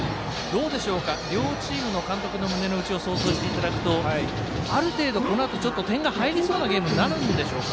両チームの監督の胸の内を想像していただくとある程度このあと点が入りそうなゲームになるんでしょうか。